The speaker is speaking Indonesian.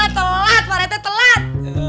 telat pak rete telat